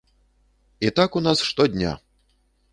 І так у нас штодня!